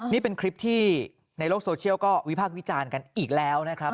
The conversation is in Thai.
นี่เป็นคลิปที่ในโลกโซเชียลก็วิพากษ์วิจารณ์กันอีกแล้วนะครับ